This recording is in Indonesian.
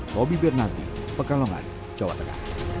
roby bernardi pekalongan cawatega